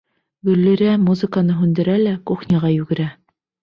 Гөллирә музыканы һүндерә лә кухняға йүгерә.